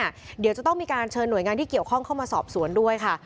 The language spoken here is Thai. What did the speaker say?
เพราะฉะนั้นเนี่ยเดี๋ยวจะต้องมีการเชิญหน่วยงานที่เกี่ยวข้องเข้ามาสอบสวนด้วยค่ะ